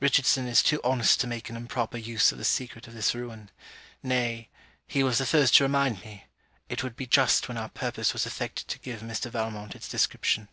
Richardson is too honest to make an improper use of the secret of this Ruin; nay, he was the first to remind me, it would be just when our purpose was effected to give Mr. Valmont its description.